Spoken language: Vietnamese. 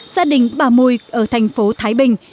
gia đình bà mùi ở thành phố thái bình